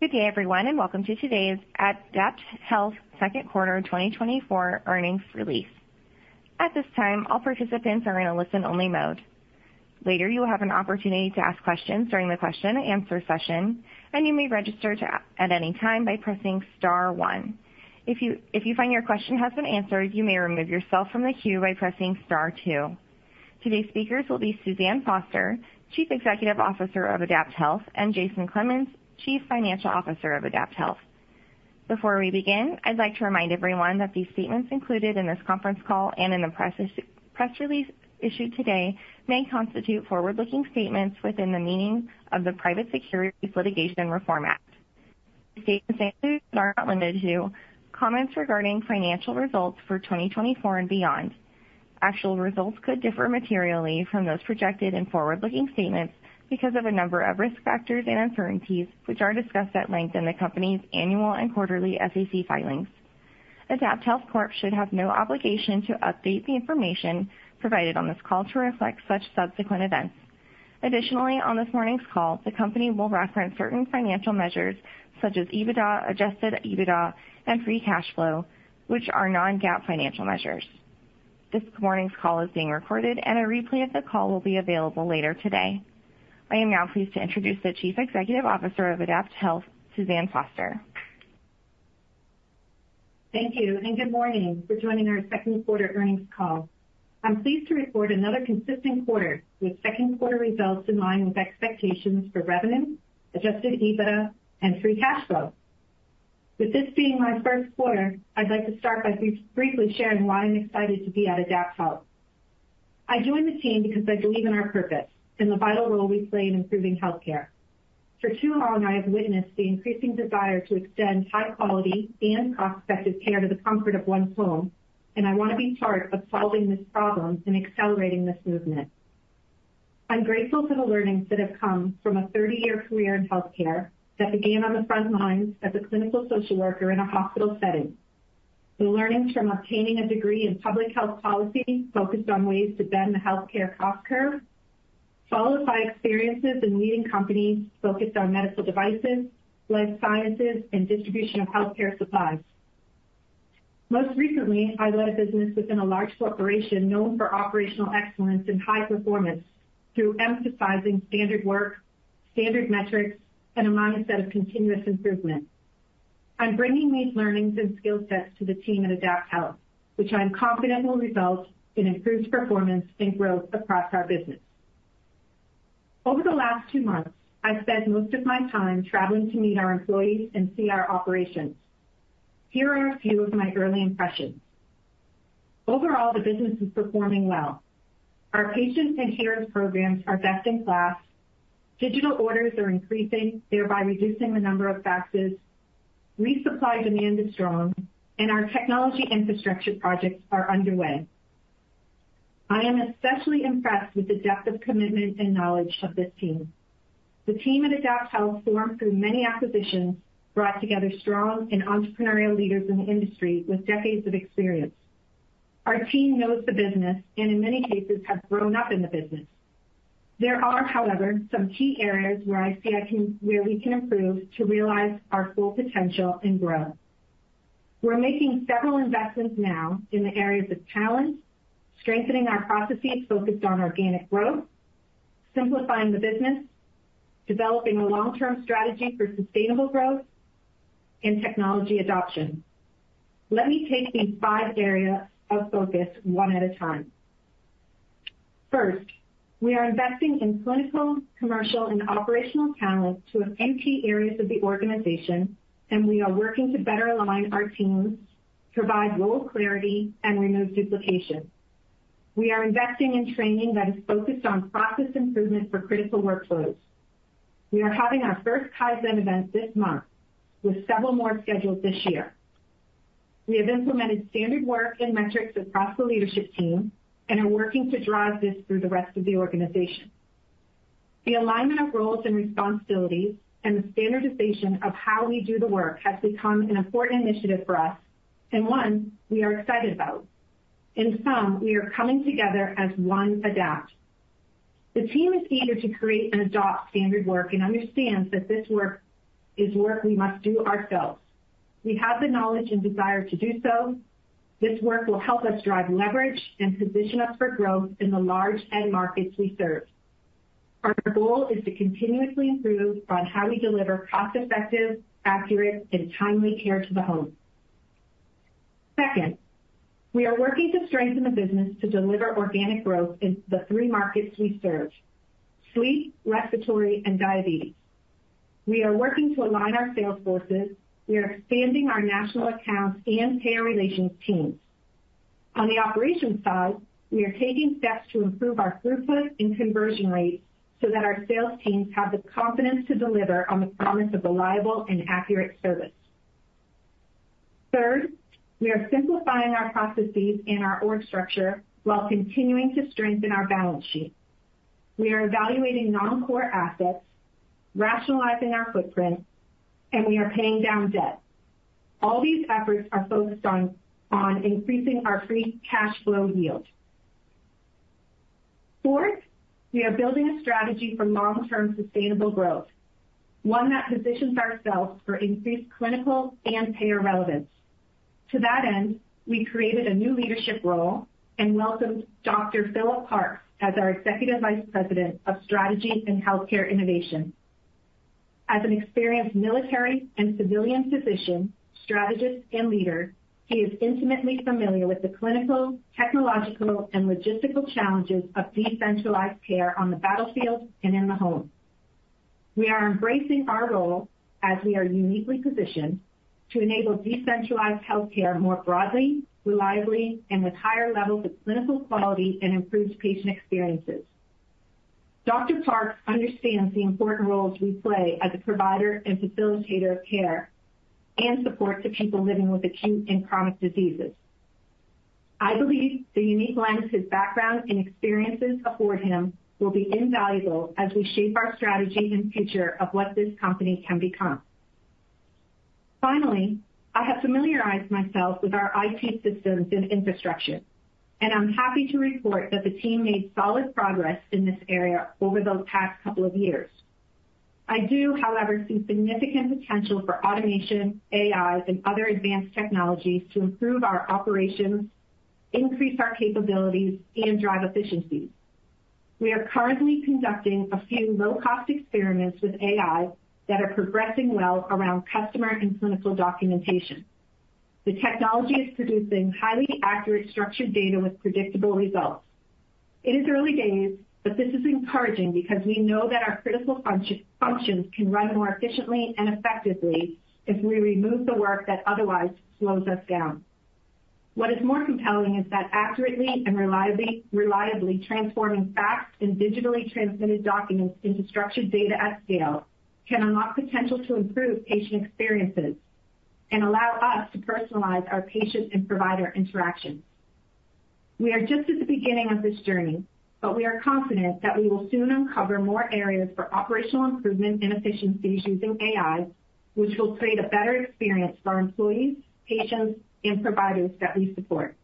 Good day, everyone, and welcome to today's AdaptHealth second quarter 2024 earnings release. At this time, all participants are in a listen-only mode. Later, you will have an opportunity to ask questions during the question-and-answer session, and you may register to ask at any time by pressing star one. If you find your question has been answered, you may remove yourself from the queue by pressing star two. Today's speakers will be Suzanne Foster, Chief Executive Officer of AdaptHealth, and Jason Clemens, Chief Financial Officer of AdaptHealth. Before we begin, I'd like to remind everyone that these statements included in this conference call and in the press release issued today may constitute forward-looking statements within the meaning of the Private Securities Litigation Reform Act. These statements are not limited to comments regarding financial results for 2024 and beyond. Actual results could differ materially from those projected in forward-looking statements because of a number of risk factors and uncertainties, which are discussed at length in the company's annual and quarterly SEC filings. AdaptHealth Corp. should have no obligation to update the information provided on this call to reflect such subsequent events. Additionally, on this morning's call, the company will reference certain financial measures such as EBITDA, adjusted EBITDA, and free cash flow, which are non-GAAP financial measures. This morning's call is being recorded, and a replay of the call will be available later today. I am now pleased to introduce the Chief Executive Officer of AdaptHealth, Suzanne Foster. Thank you, and good morning for joining our second quarter earnings call. I'm pleased to report another consistent quarter with second quarter results in line with expectations for revenue, adjusted EBITDA, and free cash flow. With this being my first quarter, I'd like to start by briefly sharing why I'm excited to be at AdaptHealth. I joined the team because I believe in our purpose and the vital role we play in improving healthcare. For too long, I have witnessed the increasing desire to extend high quality and cost-effective care to the comfort of one's home, and I want to be part of solving this problem and accelerating this movement. I'm grateful for the learnings that have come from a 30-year career in healthcare that began on the front lines as a clinical social worker in a hospital setting. The learnings from obtaining a degree in public health policy focused on ways to bend the healthcare cost curve, followed by experiences in leading companies focused on medical devices, life sciences, and distribution of healthcare supplies. Most recently, I led a business within a large corporation known for operational excellence and high performance through emphasizing standard work, standard metrics, and a mindset of continuous improvement. I'm bringing these learnings and skill sets to the team at AdaptHealth, which I am confident will result in improved performance and growth across our business. Over the last two months, I've spent most of my time traveling to meet our employees and see our operations. Here are a few of my early impressions. Overall, the business is performing well. Our patients and Heroes programs are best in class. Digital orders are increasing, thereby reducing the number of faxes. Resupply demand is strong, and our technology infrastructure projects are underway. I am especially impressed with the depth of commitment and knowledge of this team. The team at AdaptHealth, formed through many acquisitions, brought together strong and entrepreneurial leaders in the industry with decades of experience. Our team knows the business and in many cases, have grown up in the business. There are, however, some key areas where we can improve to realize our full potential and growth. We're making several investments now in the areas of talent, strengthening our processes focused on organic growth, simplifying the business, developing a long-term strategy for sustainable growth, and technology adoption. Let me take these five areas of focus one at a time. First, we are investing in clinical, commercial, and operational talent to key areas of the organization, and we are working to better align our teams, provide role clarity, and remove duplication. We are investing in training that is focused on process improvement for critical workflows. We are having our first Kaizen event this month, with several more scheduled this year. We have implemented standard work and metrics across the leadership team and are working to drive this through the rest of the organization. The alignment of roles and responsibilities and the standardization of how we do the work has become an important initiative for us and one we are excited about. In sum, we are coming together as One Adapt. The team is eager to create and adopt standard work and understands that this work is work we must do ourselves. We have the knowledge and desire to do so. This work will help us drive leverage and position us for growth in the large end markets we serve. Our goal is to continuously improve on how we deliver cost-effective, accurate, and timely care to the home. Second, we are working to strengthen the business to deliver organic growth in the three markets we serve: sleep, respiratory, and diabetes. We are working to align our sales forces. We are expanding our national accounts and payer relations teams. On the operations side, we are taking steps to improve our throughput and conversion rates so that our sales teams have the confidence to deliver on the promise of reliable and accurate service. Third, we are simplifying our processes and our org structure while continuing to strengthen our balance sheet. We are evaluating non-core assets, rationalizing our footprint, and we are paying down debt. All these efforts are focused on increasing our free cash flow yield. Fourth, we are building a strategy for long-term sustainable growth, one that positions ourselves for increased clinical and payer relevance. To that end, we created a new leadership role and welcomed Dr. Philip Parks as our Executive Vice President of Strategy and Healthcare Innovation. As an experienced military and civilian physician, strategist, and leader, he is intimately familiar with the clinical, technological, and logistical challenges of decentralized care on the battlefield and in the home. We are embracing our role as we are uniquely positioned to enable decentralized healthcare more broadly, reliably, and with higher levels of clinical quality and improved patient experiences. Dr. Parks understands the important roles we play as a provider and facilitator of care, and support to people living with acute and chronic diseases. I believe the unique lens, his background and experiences afford him will be invaluable as we shape our strategy and future of what this company can become. Finally, I have familiarized myself with our IT systems and infrastructure, and I'm happy to report that the team made solid progress in this area over those past couple of years. I do, however, see significant potential for automation, AI, and other advanced technologies to improve our operations, increase our capabilities, and drive efficiencies. We are currently conducting a few low-cost experiments with AI that are progressing well around customer and clinical documentation. The technology is producing highly accurate, structured data with predictable results. It is early days, but this is encouraging because we know that our critical functions can run more efficiently and effectively as we remove the work that otherwise slows us down. What is more compelling is that accurately and reliably, reliably transforming facts and digitally transmitted documents into structured data at scale can unlock potential to improve patient experiences and allow us to personalize our patient and provider interactions. We are just at the beginning of this journey, but we are confident that we will soon uncover more areas for operational improvement and efficiencies using AI, which will create a better experience for our employees, patients, and providers that we support.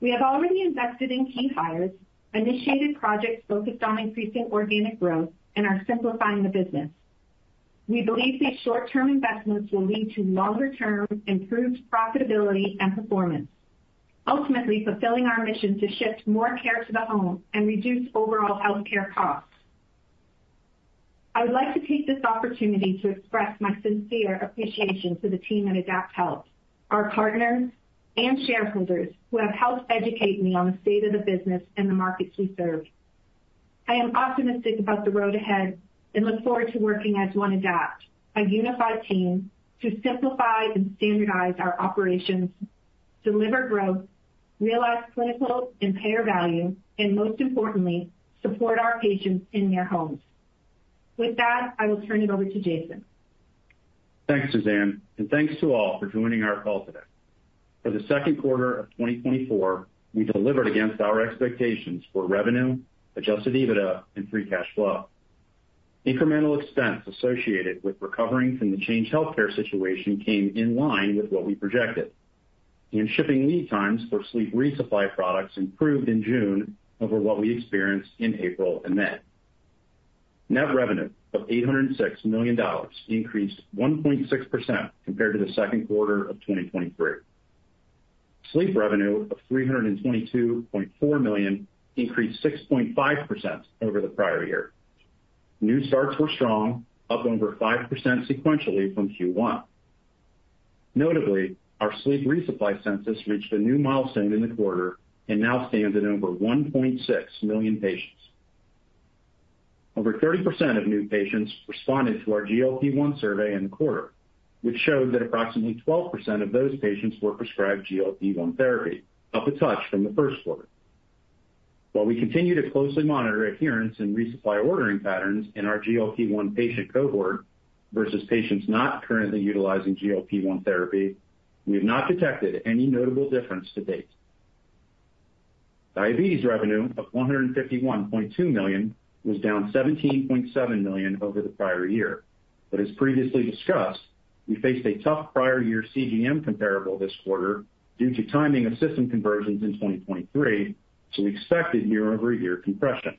We have already invested in key hires, initiated projects focused on increasing organic growth, and are simplifying the business. We believe these short-term investments will lead to longer-term, improved profitability and performance, ultimately fulfilling our mission to shift more care to the home and reduce overall healthcare costs. I would like to take this opportunity to express my sincere appreciation to the team at AdaptHealth, our partners and shareholders who have helped educate me on the state of the business and the markets we serve. I am optimistic about the road ahead and look forward to working as One AdaptHealth, a unified team, to simplify and standardize our operations, deliver growth, realize clinical and payer value, and most importantly, support our patients in their homes. With that, I will turn it over to Jason. Thanks, Suzanne, and thanks to all for joining our call today. For the second quarter of 2024, we delivered against our expectations for revenue, Adjusted EBITDA, and Free Cash Flow. Incremental expense associated with recovering from the Change Healthcare situation came in line with what we projected, and shipping lead times for sleep resupply products improved in June over what we experienced in April and May. Net revenue of $806 million increased 1.6% compared to the second quarter of 2023. Sleep revenue of $322.4 million increased 6.5% over the prior year. New starts were strong, up over 5% sequentially from Q1. Notably, our sleep resupply census reached a new milestone in the quarter and now stands at over 1.6 million patients. Over 30% of new patients responded to our GLP-1 survey in the quarter, which showed that approximately 12% of those patients were prescribed GLP-1 therapy, up a touch from the first quarter. While we continue to closely monitor adherence and resupply ordering patterns in our GLP-1 patient cohort versus patients not currently utilizing GLP-1 therapy, we have not detected any notable difference to date. Diabetes revenue of $151.2 million was down $17.7 million over the prior year. But as previously discussed, we faced a tough prior year CGM comparable this quarter due to timing of system conversions in 2023, so we expected year-over-year compression.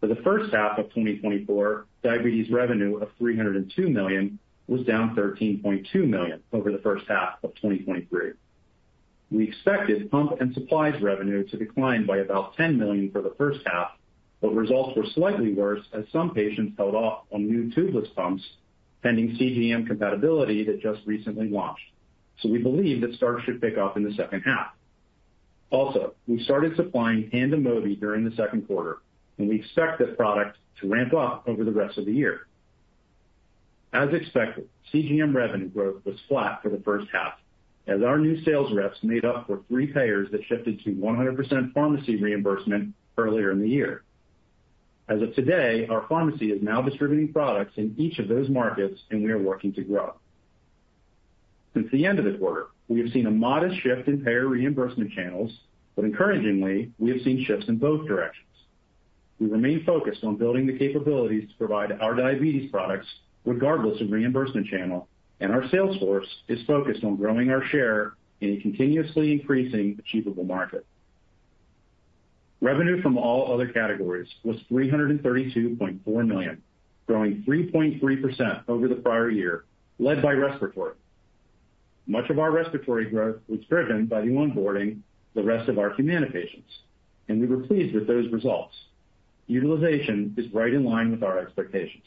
For the first half of 2024, diabetes revenue of $302 million was down $13.2 million over the first half of 2023. We expected pump and supplies revenue to decline by about $10 million for the first half, but results were slightly worse as some patients held off on new tubeless pumps, pending CGM compatibility that just recently launched. So we believe that starts should pick up in the second half. Also, we started supplying Tandem Mobi during the second quarter, and we expect this product to ramp up over the rest of the year. As expected, CGM revenue growth was flat for the first half, as our new sales reps made up for three payers that shifted to 100% pharmacy reimbursement earlier in the year. As of today, our pharmacy is now distributing products in each of those markets, and we are working to grow. Since the end of the quarter, we have seen a modest shift in payer reimbursement channels, but encouragingly, we have seen shifts in both directions. We remain focused on building the capabilities to provide our diabetes products regardless of reimbursement channel, and our sales force is focused on growing our share in a continuously increasing achievable market. Revenue from all other categories was $332.4 million, growing 3.3% over the prior year, led by respiratory. Much of our respiratory growth was driven by onboarding the rest of our Humana patients, and we were pleased with those results. Utilization is right in line with our expectations.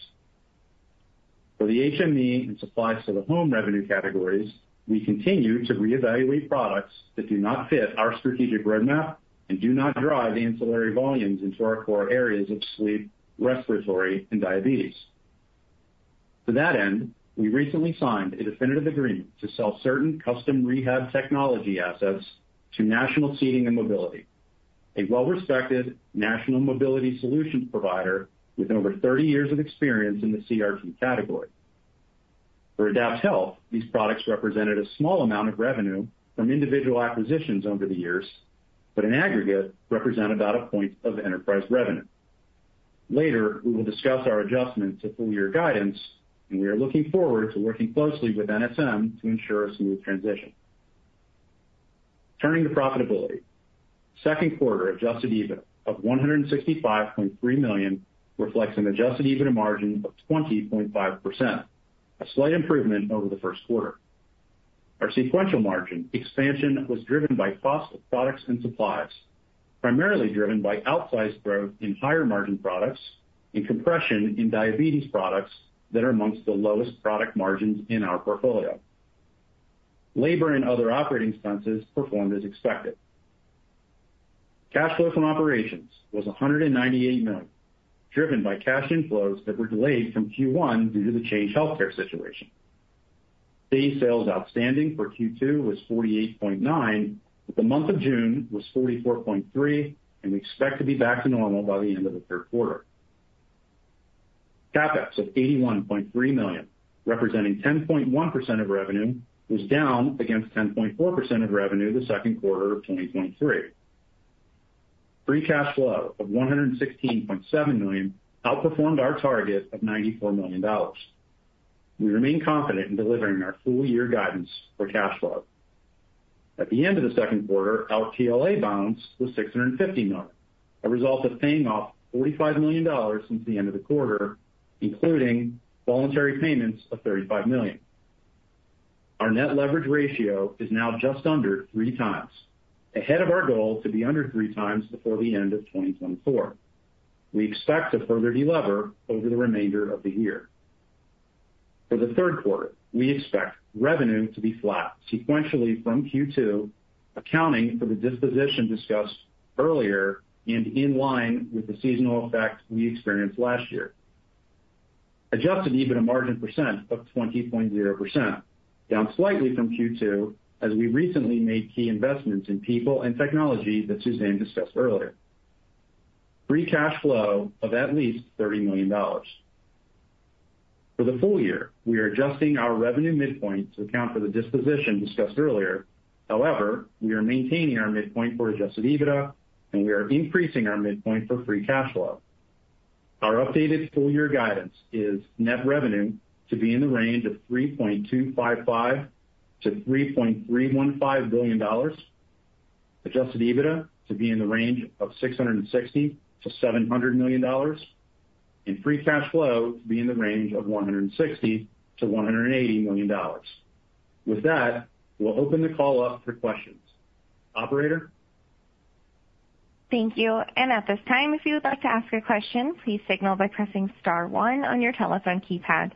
For the HME and supplies to the home revenue categories, we continue to reevaluate products that do not fit our strategic roadmap and do not drive ancillary volumes into our core areas of sleep, respiratory, and diabetes. To that end, we recently signed a definitive agreement to sell certain custom rehab technology assets to National Seating and Mobility, a well-respected national mobility solutions provider with over 30 years of experience in the CRT category. For AdaptHealth, these products represented a small amount of revenue from individual acquisitions over the years, but in aggregate, represent about a point of enterprise revenue. Later, we will discuss our adjustment to full year guidance, and we are looking forward to working closely with NSM to ensure a smooth transition. Turning to profitability, second quarter adjusted EBITDA of $165.3 million reflects an adjusted EBITDA margin of 20.5%, a slight improvement over the first quarter. Our sequential margin expansion was driven by cost of products and supplies, primarily driven by outsized growth in higher margin products and compression in diabetes products that are among the lowest product margins in our portfolio. Labor and other operating expenses performed as expected. Cash flow from operations was $198 million, driven by cash inflows that were delayed from Q1 due to the change Healthcare situation. Day sales outstanding for Q2 was 48.9, but the month of June was 44.3, and we expect to be back to normal by the end of the third quarter. CapEx of $81.3 million, representing 10.1% of revenue, was down against 10.4% of revenue the second quarter of 2023. Free cash flow of $116.7 million outperformed our target of $94 million. We remain confident in delivering our full year guidance for cash flow. At the end of the second quarter, our TLA balance was $650 million, a result of paying off $45 million since the end of the quarter, including voluntary payments of $35 million. Our net leverage ratio is now just under 3 times, ahead of our goal to be under three times before the end of 2024. We expect to further delever over the remainder of the year. For the third quarter, we expect revenue to be flat sequentially from Q2, accounting for the disposition discussed earlier and in line with the seasonal effect we experienced last year. Adjusted EBITDA margin percent of 20.0%, down slightly from Q2, as we recently made key investments in people and technology that Suzanne discussed earlier. Free cash flow of at least $30 million. For the full year, we are adjusting our revenue midpoint to account for the disposition discussed earlier. However, we are maintaining our midpoint for adjusted EBITDA, and we are increasing our midpoint for free cash flow. Our updated full year guidance is net revenue to be in the range of $3.255 billion-$3.315 billion, adjusted EBITDA to be in the range of $660 million-$700 million, and free cash flow to be in the range of $160 million-$180 million. With that, we'll open the call up for questions. Operator? Thank you. At this time, if you would like to ask a question, please signal by pressing star one on your telephone keypad.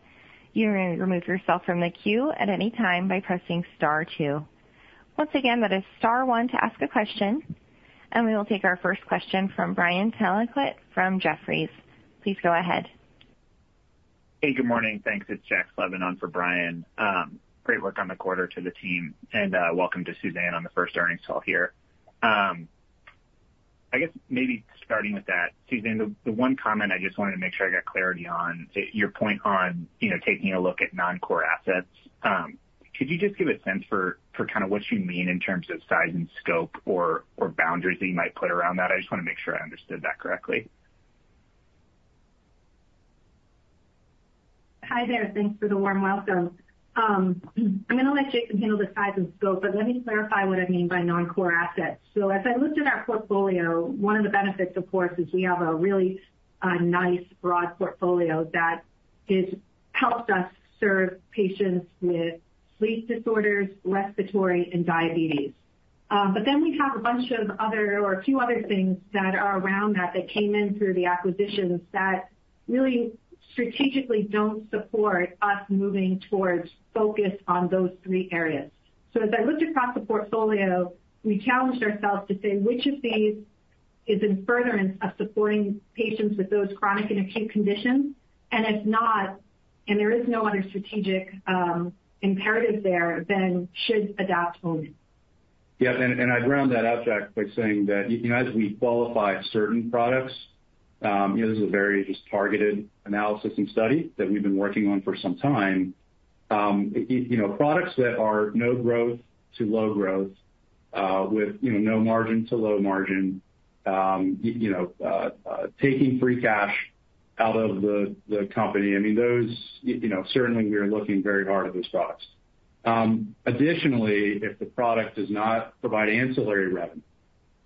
You may remove yourself from the queue at any time by pressing star two. Once again, that is star one to ask a question, and we will take our first question from Brian Tanquilut from Jefferies. Please go ahead. Hey, good morning. Thanks. It's Jack Slevin on for Brian. Great work on the quarter to the team, and, welcome to Suzanne on the first earnings call here. I guess maybe starting with that, Suzanne, the, the one comment I just wanted to make sure I got clarity on, your point on, you know, taking a look at non-core assets. Could you just give a sense for, for kind of what you mean in terms of size and scope or, or boundaries that you might put around that? I just want to make sure I understood that correctly. Hi there. Thanks for the warm welcome. I'm going to let Jason handle the size and scope, but let me clarify what I mean by non-core assets. So as I looked at our portfolio, one of the benefits, of course, is we have a really, nice, broad portfolio that has helped us serve patients with sleep disorders, respiratory, and diabetes. But then we have a bunch of other or a few other things that are around that that came in through the acquisitions that really strategically don't support us moving towards focus on those three areas. So as I looked across the portfolio, we challenged ourselves to say, "Which of these is in furtherance of supporting patients with those chronic and acute conditions? And if not, and there is no other strategic, imperative there, then should Adapt own it? Yes, and I'd round that out, Jack, by saying that, you know, as we qualify certain products, you know, this is a very just targeted analysis and study that we've been working on for some time. You know, products that are no growth to low growth with, you know, no margin to low margin, you know, taking free cash out of the company. I mean, those, you know, certainly we are looking very hard at those products. Additionally, if the product does not provide ancillary revenue,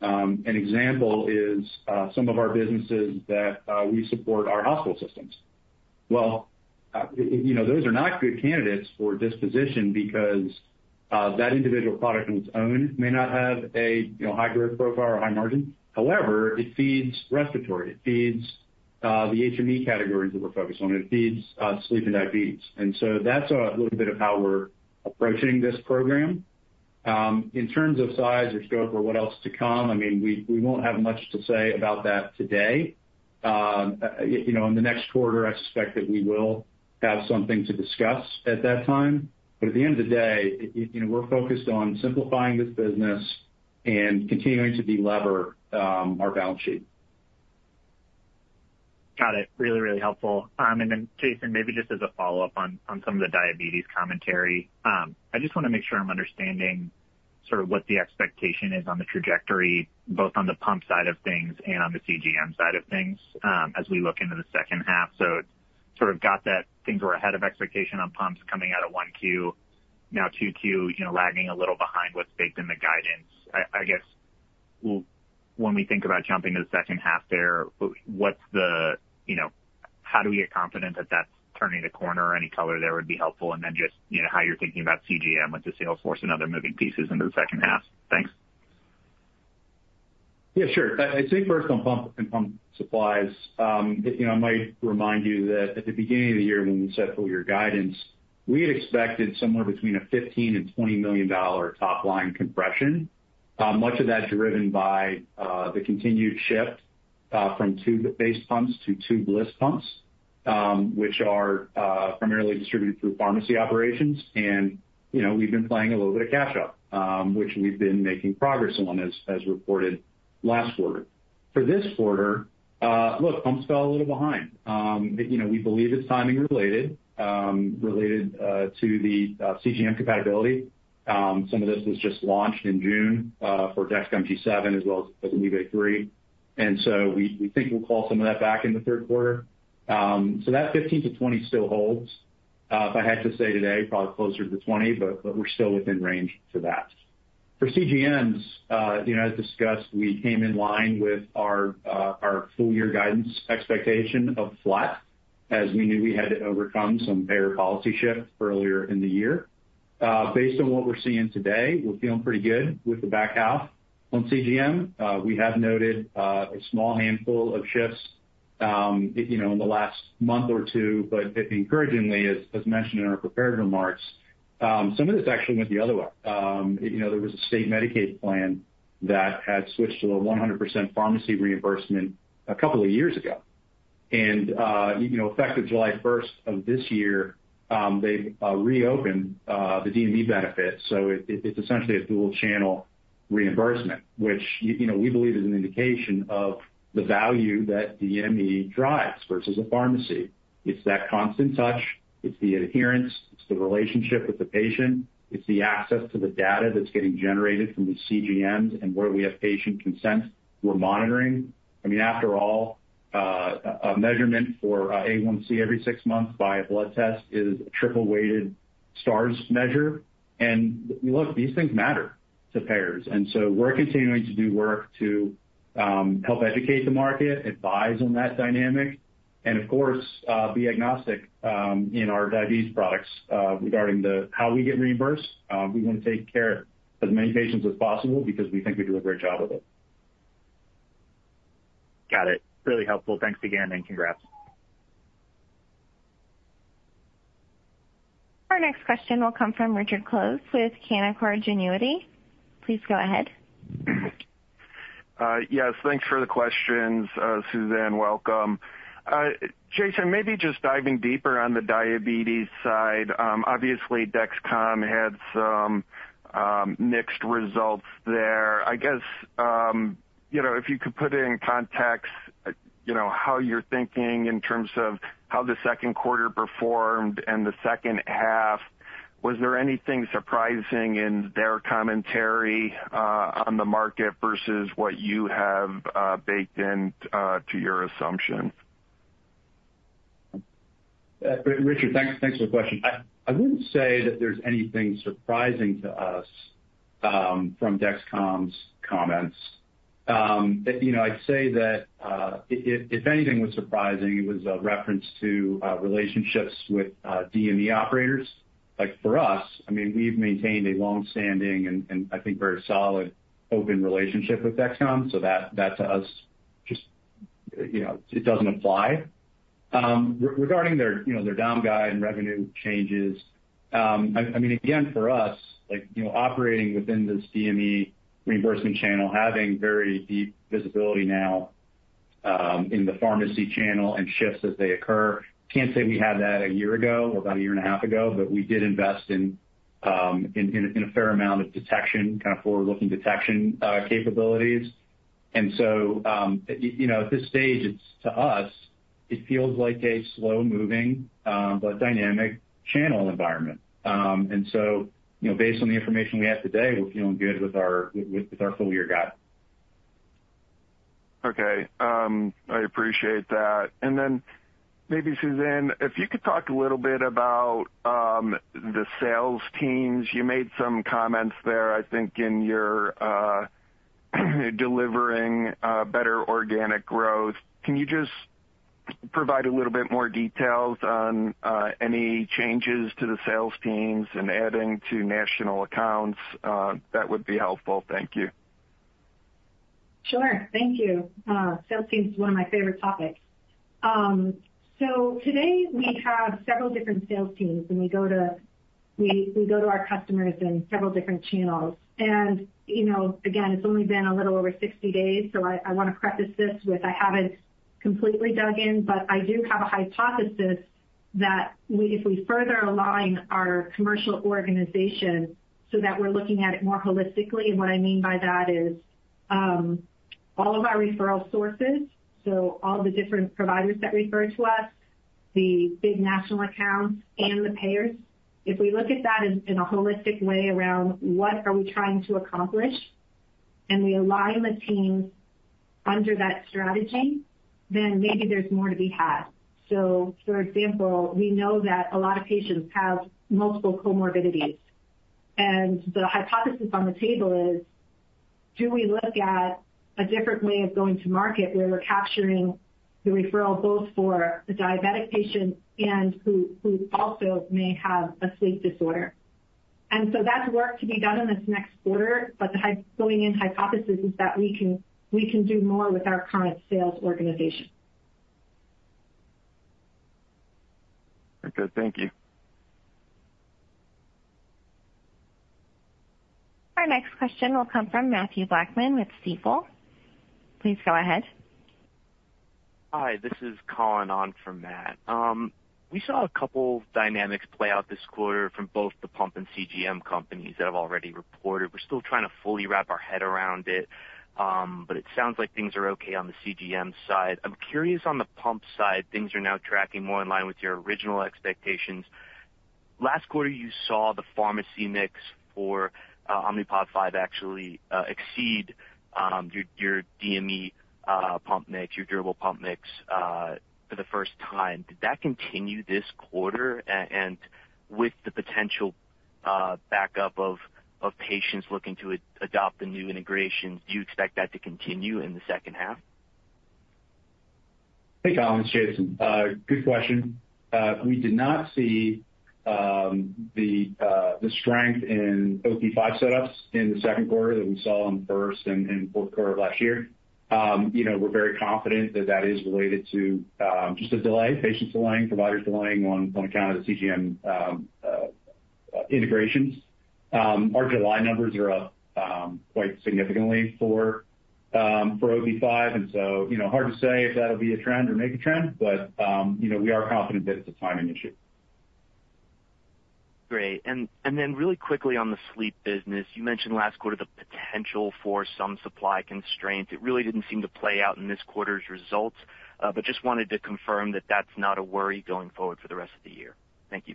an example is some of our businesses that we support our hospital systems. Well, you know, those are not good candidates for disposition because that individual product on its own may not have a high growth profile or high margin. However, it feeds respiratory, it feeds, the HME categories that we're focused on, it feeds, sleep and diabetes. And so that's a little bit of how we're approaching this program. In terms of size or scope or what else to come, I mean, we, we won't have much to say about that today. You know, in the next quarter, I expect that we will have something to discuss at that time. But at the end of the day, you, you know, we're focused on simplifying this business and continuing to delever, our balance sheet. Got it. Really, really helpful. And then, Jason, maybe just as a follow-up on some of the diabetes commentary, I just wanna make sure I'm understanding sort of what the expectation is on the trajectory, both on the pump side of things and on the CGM side of things, as we look into the second half. So sort of got that things were ahead of expectation on pumps coming out of 1Q. Now, 2Q, you know, lagging a little behind what's baked in the guidance. I guess, when we think about jumping to the second half there, what's the, you know, how do we get confident that that's turning the corner? Any color there would be helpful. And then just, you know, how you're thinking about CGM with the salesforce and other moving pieces into the second half. Thanks. Yeah, sure. I'd say first on pump and pump supplies, you know, I might remind you that at the beginning of the year, when we set full year guidance, we had expected somewhere between $15 million and $20 million top line compression. Much of that driven by the continued shift from tube-based pumps to tubeless pumps, which are primarily distributed through pharmacy operations. And, you know, we've been playing a little bit of catch up, which we've been making progress on, as reported last quarter. For this quarter, look, pumps fell a little behind. You know, we believe it's timing related, related to the CGM compatibility. Some of this was just launched in June for Dexcom G7 as well as FreeStyle Libre 3. We think we'll call some of that back in the third quarter. That $15-$20 still holds. If I had to say today, probably closer to $20, but we're still within range for that. For CGMs, you know, as discussed, we came in line with our full year guidance expectation of flat, as we knew we had to overcome some payer policy shifts earlier in the year. Based on what we're seeing today, we're feeling pretty good with the back half. On CGM, we have noted a small handful of shifts, you know, in the last month or two, but encouragingly, as mentioned in our prepared remarks, some of this actually went the other way. You know, there was a state Medicaid plan that had switched to a 100% pharmacy reimbursement a couple of years ago. And, you know, effective July first of this year, they reopened the DME benefit. So it, it's essentially a dual channel reimbursement, which, you know, we believe is an indication of the value that DME drives versus a pharmacy. It's that constant touch, it's the adherence, it's the relationship with the patient, it's the access to the data that's getting generated from the CGMs, and where we have patient consent, we're monitoring. I mean, after all, a measurement for A1C every six months by a blood test is a triple-weighted Stars measure. And look, these things matter to payers. And so we're continuing to do work to help educate the market, advise on that dynamic, and of course, be agnostic in our diabetes products regarding how we get reimbursed. We want to take care of as many patients as possible because we think we do a great job of it. Got it. Really helpful. Thanks again, and congrats. Our next question will come from Richard Close with Canaccord Genuity. Please go ahead. Yes, thanks for the questions, Suzanne, welcome. Jason, maybe just diving deeper on the diabetes side. Obviously, Dexcom had some mixed results there. I guess, you know, how you're thinking in terms of how the second quarter performed and the second half. Was there anything surprising in their commentary on the market versus what you have baked in to your assumption? Richard, thanks, thanks for the question. I wouldn't say that there's anything surprising to us from Dexcom's comments. You know, I'd say that if anything was surprising, it was a reference to relationships with DME operators. Like, for us, I mean, we've maintained a long-standing and I think very solid open relationship with Dexcom, so that to us, just, you know, it doesn't apply. Regarding their, you know, their down guide and revenue changes, I mean, again, for us, like, you know, operating within this DME reimbursement channel, having very deep visibility now in the pharmacy channel and shifts as they occur, can't say we had that a year ago or about a year and a half ago, but we did invest in a fair amount of detection, kind of forward-looking detection capabilities.... And so, you know, at this stage, it's, to us, it feels like a slow-moving but dynamic channel environment. And so, you know, based on the information we have today, we're feeling good with our full year guide. Okay, I appreciate that. Then maybe, Suzanne, if you could talk a little bit about the sales teams. You made some comments there, I think, in your delivering better organic growth. Can you just provide a little bit more details on any changes to the sales teams and adding to national accounts? That would be helpful. Thank you. Sure. Thank you. Sales team is one of my favorite topics. So today we have several different sales teams, and we go to our customers in several different channels. And, you know, again, it's only been a little over 60 days, so I wanna preface this with I haven't completely dug in, but I do have a hypothesis that we if we further align our commercial organization so that we're looking at it more holistically, and what I mean by that is, all of our referral sources, so all the different providers that refer to us, the big national accounts and the payers. If we look at that in a holistic way around what are we trying to accomplish, and we align the teams under that strategy, then maybe there's more to be had. So for example, we know that a lot of patients have multiple comorbidities, and the hypothesis on the table is: do we look at a different way of going to market, where we're capturing the referrals both for the diabetic patient and who also may have a sleep disorder? And so that's work to be done in this next quarter, but the going in hypothesis is that we can, we can do more with our current sales organization. Okay, thank you. Our next question will come from Matthew Blackman with Stifel. Please go ahead. Hi, this is Colin on for Matt. We saw a couple dynamics play out this quarter from both the pump and CGM companies that have already reported. We're still trying to fully wrap our head around it, but it sounds like things are okay on the CGM side. I'm curious, on the pump side, things are now tracking more in line with your original expectations. Last quarter, you saw the pharmacy mix for Omnipod 5 actually exceed your DME pump mix, your durable pump mix, for the first time. Did that continue this quarter? And with the potential backup of patients looking to adopt the new integrations, do you expect that to continue in the second half? Hey, Colin, it's Jason. Good question. We did not see the strength in OP 5setups in the second quarter that we saw in the first and fourth quarter of last year. You know, we're very confident that that is related to just a delay, patients delaying, providers delaying on account of the CGM integrations. Our July numbers are up quite significantly for OP 5, and so, you know, hard to say if that'll be a trend or make a trend, but you know, we are confident that it's a timing issue. Great. And then really quickly on the sleep business, you mentioned last quarter the potential for some supply constraints. It really didn't seem to play out in this quarter's results, but just wanted to confirm that that's not a worry going forward for the rest of the year. Thank you.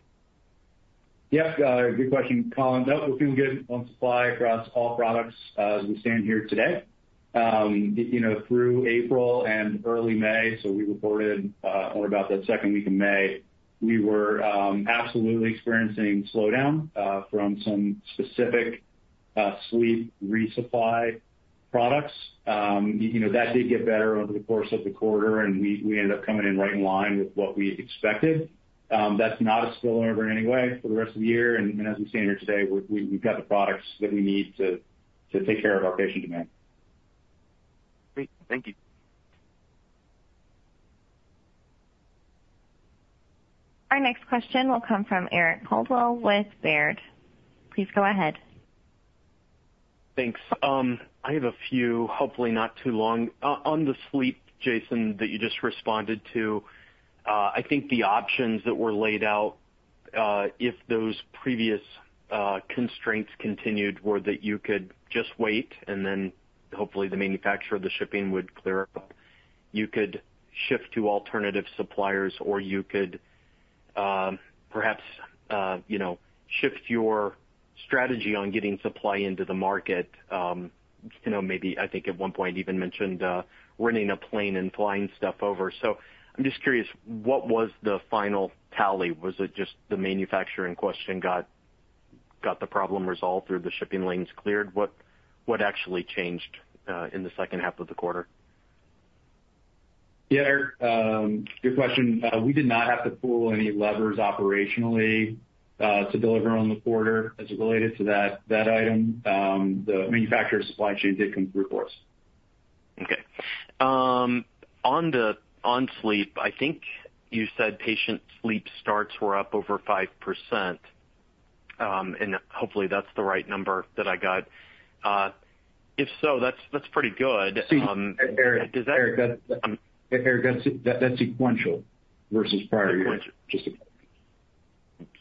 Yes, good question, Colin. No, we're feeling good on supply across all products as we stand here today. You know, through April and early May, so we reported more about that second week of May, we were absolutely experiencing slowdown from some specific sleep resupply products. You know, that did get better over the course of the quarter, and we ended up coming in right in line with what we expected. That's not a spillover in any way for the rest of the year, and as we stand here today, we've got the products that we need to take care of our patient demand. Great. Thank you. Our next question will come from Eric Coldwell with Baird. Please go ahead. Thanks. I have a few, hopefully not too long. On the sleep, Jason, that you just responded to, I think the options that were laid out, if those previous constraints continued, were that you could just wait, and then hopefully the manufacturer of the shipping would clear up. You could shift to alternative suppliers, or you could, perhaps, you know, shift your strategy on getting supply into the market. You know, maybe I think at one point you even mentioned renting a plane and flying stuff over. So I'm just curious, what was the final tally? Was it just the manufacturer in question got the problem resolved or the shipping lanes cleared? What actually changed in the second half of the quarter? Yeah, Eric, good question. We did not have to pull any levers operationally to deliver on the quarter as it related to that, that item. The manufacturer's supply chain did come through for us. Okay. On sleep, I think you said patient sleep starts were up over 5%, and hopefully, that's the right number that I got. If so, that's, that's pretty good. Eric, Eric, Does that- Eric, that's sequential versus prior year.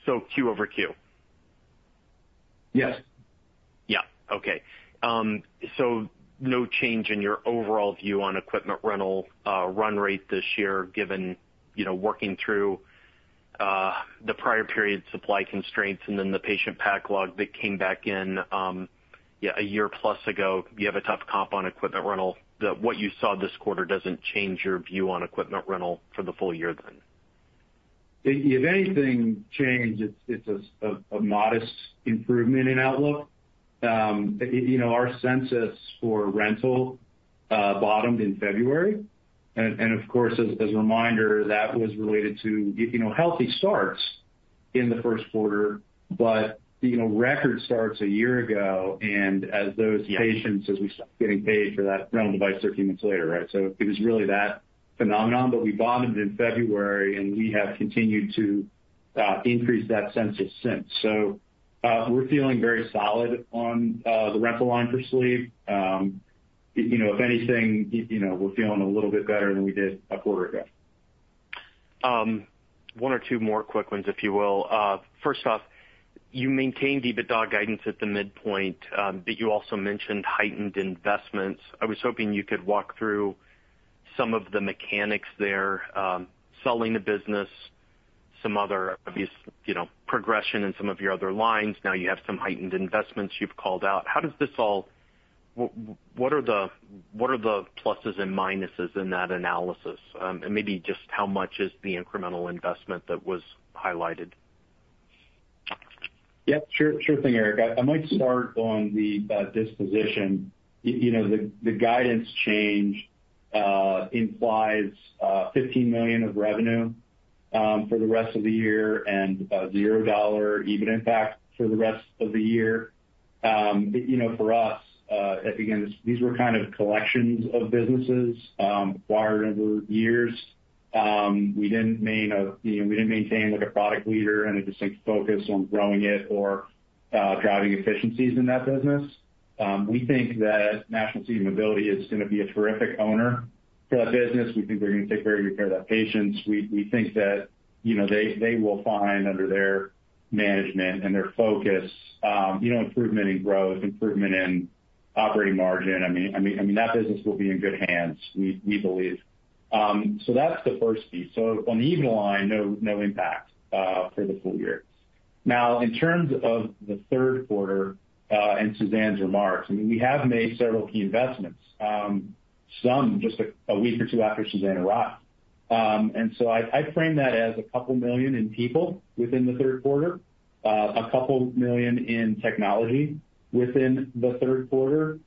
So Q over Q?... Yes. Yeah. Okay. So no change in your overall view on equipment rental run rate this year, given, you know, working through the prior period supply constraints and then the patient backlog that came back in a year plus ago, you have a tough comp on equipment rental. That what you saw this quarter doesn't change your view on equipment rental for the full year then? If anything changed, it's a modest improvement in outlook. You know, our census for rental bottomed in February, and of course, as a reminder, that was related to, you know, healthy starts in the first quarter. But you know, record starts a year ago, and as those- Yeah patients, as we start getting paid for that rental device 13 months later, right? So it was really that phenomenon, but we bottomed in February, and we have continued to increase that census since. So, we're feeling very solid on the rental line for Sleep. You know, if anything, you know, we're feeling a little bit better than we did a quarter ago. One or two more quick ones, if you will. First off, you maintained EBITDA guidance at the midpoint, but you also mentioned heightened investments. I was hoping you could walk through some of the mechanics there, selling the business, some other obvious, you know, progression in some of your other lines. Now you have some heightened investments you've called out. How does this all—what are the, what are the pluses and minuses in that analysis? And maybe just how much is the incremental investment that was highlighted? Yeah, sure, sure thing, Eric. I might start on the disposition. You know, the guidance change implies $15 million of revenue for the rest of the year and $0 EBITDA impact for the rest of the year. You know, for us, again, these were kind of collections of businesses acquired over years. You know, we didn't maintain, like, a product leader and a distinct focus on growing it or driving efficiencies in that business. We think that National Seating & Mobility is gonna be a terrific owner for that business. We think they're gonna take very good care of that patients. We think that, you know, they will find under their management and their focus, you know, improvement in growth, improvement in operating margin. I mean, that business will be in good hands, we believe. So that's the first piece. So on the EBITDA line, no impact for the full year. Now, in terms of the third quarter and Suzanne's remarks, I mean, we have made several key investments, some just a week or two after Suzanne arrived. And so I frame that as $2 million in people within the third quarter, $2 million in technology within the third quarter.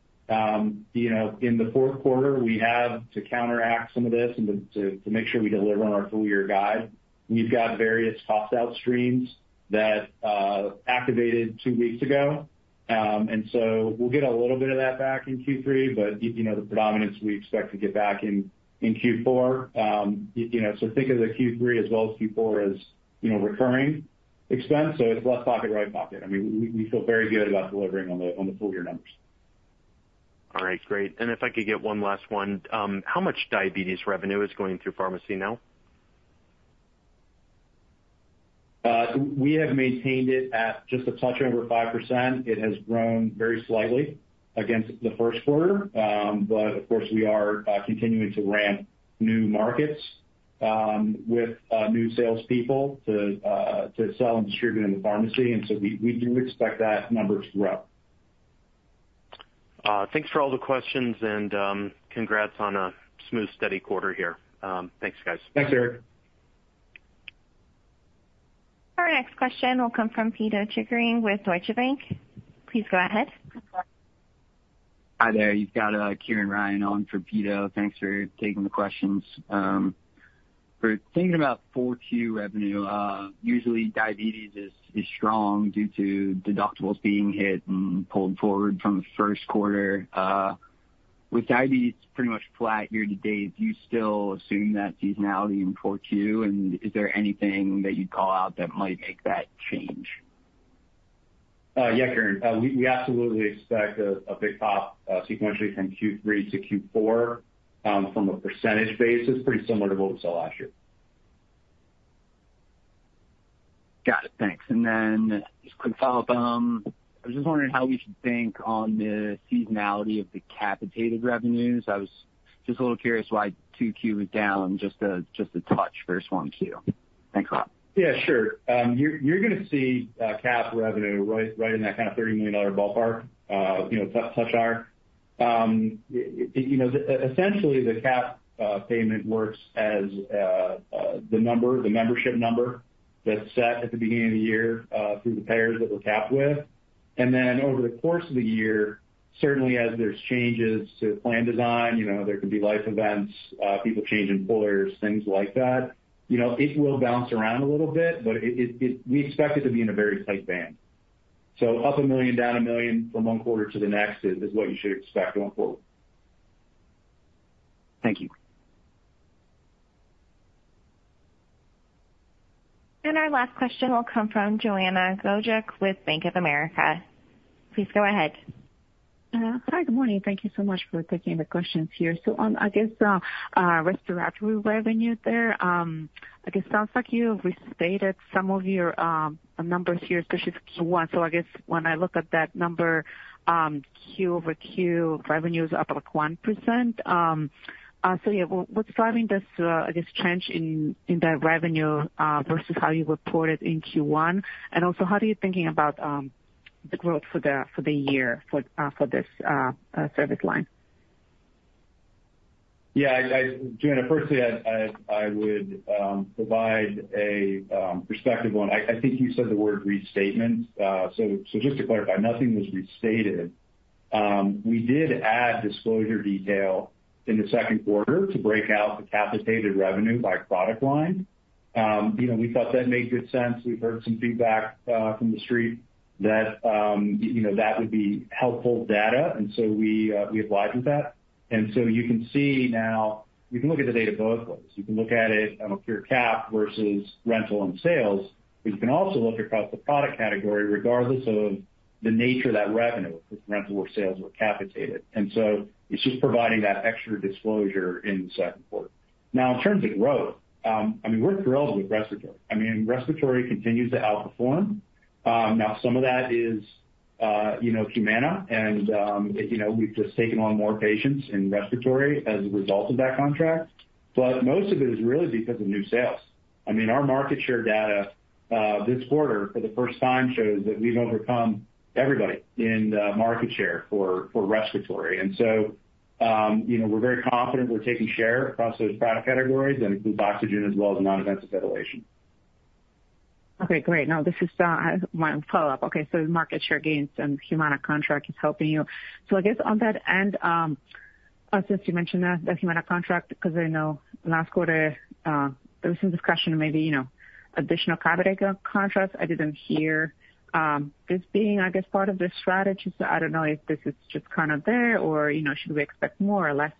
You know, in the fourth quarter, we have to counteract some of this and to make sure we deliver on our full year guide. We've got various cost out streams that activated two weeks ago, and so we'll get a little bit of that back in Q3, but, you know, the predominance we expect to get back in, in Q4. You know, so think of the Q3 as well as Q4 as, you know, recurring expense, so it's left pocket, right pocket. I mean, we feel very good about delivering on the full year numbers. All right, great. And if I could get one last one, how much diabetes revenue is going through pharmacy now? We have maintained it at just a touch over 5%. It has grown very slightly against the first quarter. But of course, we are continuing to ramp new markets with new salespeople to sell and distribute in the pharmacy, and so we do expect that number to grow. Thanks for all the questions, and congrats on a smooth, steady quarter here. Thanks, guys. Thanks, Eric. Our next question will come from Pito Chickering with Deutsche Bank. Please go ahead. Hi there. You've got, Kieran Ryan on for Peter. Thanks for taking the questions. For thinking about 4Q revenue, usually diabetes is strong due to deductibles being hit and pulled forward from the first quarter. With diabetes pretty much flat year to date, do you still assume that seasonality in 4Q? And is there anything that you'd call out that might make that change? Yeah, Kieran, we absolutely expect a big pop sequentially from Q3-Q4, from a percentage basis, pretty similar to what we saw last year. Got it. Thanks. And then just a quick follow-up. I was just wondering how we should think on the seasonality of the capitated revenues. I was just a little curious why 2Q is down, just a touch versus 1Q. Thanks a lot. Yeah, sure. You're gonna see cap revenue right in that kind of $30 million ballpark, you know. Essentially, the cap payment works as the number, the membership number that's set at the beginning of the year through the payers that we're capped with. And then over the course of the year, certainly as there's changes to plan design, you know, there could be life events, people changing employers, things like that, you know, it will bounce around a little bit, but it—we expect it to be in a very tight band. So up $1 million, down $1 million from one quarter to the next is what you should expect going forward. Thank you. Our last question will come from Joanna Gajuk with Bank of America. Please go ahead. ... Hi, good morning. Thank you so much for taking the questions here. So on, I guess, respiratory revenue there, I guess, sounds like you restated some of your numbers here, especially Q1. So I guess when I look at that number, Q over Q, revenue is up, like, 1%. So, yeah, what's driving this, I guess, change in the revenue versus how you reported in Q1? And also, how are you thinking about the growth for the year, for this service line? Yeah, Joanna, firstly, I would provide a perspective on, I think you said the word restatement. So just to clarify, nothing was restated. We did add disclosure detail in the second quarter to break out the capitated revenue by product line. You know, we thought that made good sense. We've heard some feedback from the street that, you know, that would be helpful data, and so we obliged with that. And so you can see now, you can look at the data both ways. You can look at it on a pure cap versus rental and sales, but you can also look across the product category, regardless of the nature of that revenue, if it's rental or sales or capitated. And so it's just providing that extra disclosure in the second quarter. Now, in terms of growth, I mean, we're thrilled with respiratory. I mean, respiratory continues to outperform. Now, some of that is, you know, Humana, and, you know, we've just taken on more patients in respiratory as a result of that contract. But most of it is really because of new sales. I mean, our market share data, this quarter, for the first time, shows that we've overcome everybody in the market share for, for respiratory. And so, you know, we're very confident we're taking share across those product categories that include oxygen as well as non-invasive ventilation. Okay, great. Now, this is my follow-up. Okay, so the market share gains and Humana contract is helping you. So I guess on that end, since you mentioned the, the Humana contract, because I know last quarter, there was some discussion, maybe, you know, additional capitated contracts. I didn't hear this being, I guess, part of the strategy, so I don't know if this is just kind of there or, you know, should we expect more or less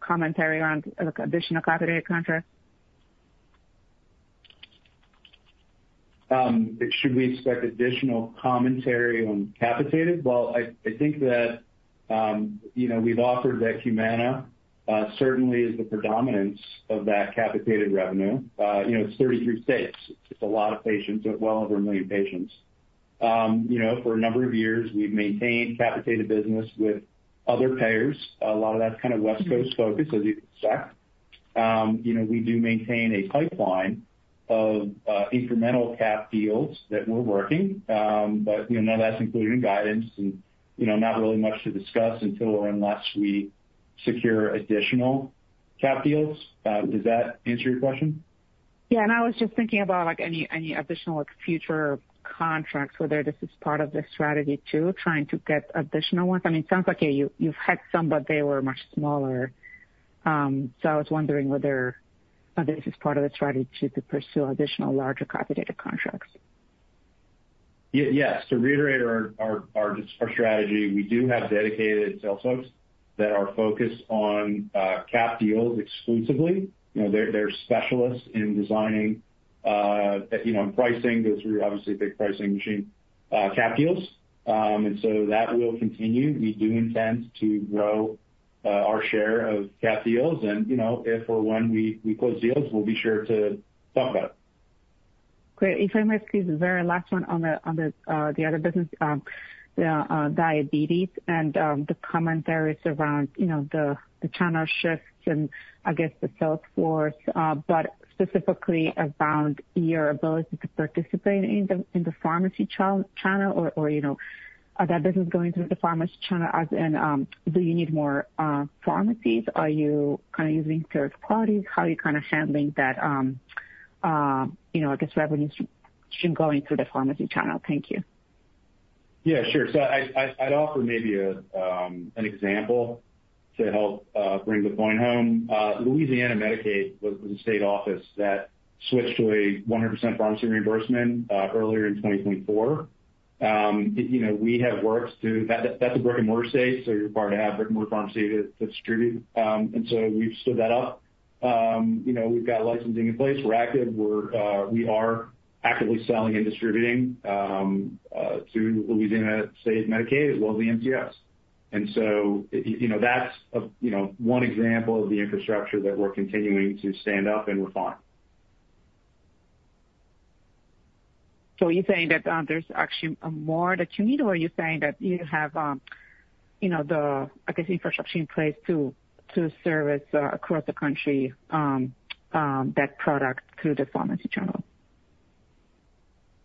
commentary around, like, additional capitated contracts? Should we expect additional commentary on capitated? Well, I, I think that, you know, we've offered that Humana certainly is the predominance of that capitated revenue. You know, it's 33 states. It's a lot of patients, well over one million patients. You know, for a number of years, we've maintained capitated business with other payers. A lot of that's kind of West Coast focused, as you'd expect. You know, we do maintain a pipeline of, incremental cap deals that we're working, but, you know, that's included in guidance, and, you know, not really much to discuss until or unless we secure additional cap deals. Does that answer your question? Yeah, and I was just thinking about, like, any additional, like, future contracts, whether this is part of the strategy, too, trying to get additional ones. I mean, it sounds like, yeah, you, you've had some, but they were much smaller. So I was wondering whether this is part of the strategy to pursue additional larger capitated contracts. Yes. To reiterate our strategy, we do have dedicated sales folks that are focused on cap deals exclusively. You know, they're specialists in designing, you know, pricing, go through, obviously, a big pricing machine, cap deals. And so that will continue. We do intend to grow our share of cap deals, and, you know, if or when we close deals, we'll be sure to talk about it. Great. If I may squeeze the very last one on the other business, the diabetes and the commentaries around, you know, the channel shifts and, I guess, the sales force, but specifically around your ability to participate in the pharmacy channel, or, you know, are that business going through the pharmacy channel? As in, do you need more pharmacies? Are you kind of using third parties? How are you kind of handling that, you know, I guess, revenue stream going through the pharmacy channel? Thank you. Yeah, sure. So I'd offer maybe an example to help bring the point home. Louisiana Medicaid was a state office that switched to a 100% pharmacy reimbursement earlier in 2024. You know, we have worked through. That's a brick-and-mortar state, so you're required to have brick-and-mortar pharmacy to distribute. And so we've stood that up. You know, we've got licensing in place. We're active. We are actively selling and distributing to Louisiana State Medicaid, as well as the MCOs. And so, you know, that's one example of the infrastructure that we're continuing to stand up and refine. So are you saying that there's actually more that you need, or are you saying that you have, you know, the, I guess, infrastructure in place to service across the country that product through the pharmacy channel?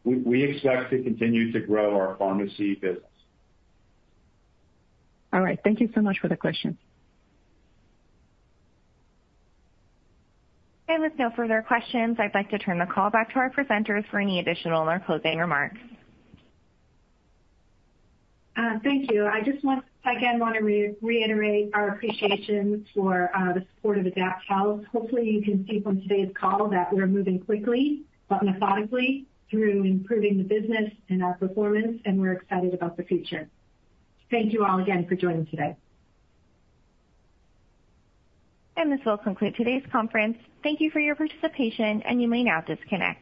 We expect to continue to grow our pharmacy business. All right. Thank you so much for the question. With no further questions, I'd like to turn the call back to our presenters for any additional or closing remarks. Thank you. I just want, again, to reiterate our appreciation for the support of AdaptHealth. Hopefully, you can see from today's call that we're moving quickly, but methodically through improving the business and our performance, and we're excited about the future. Thank you all again for joining today. This will conclude today's conference. Thank you for your participation, and you may now disconnect.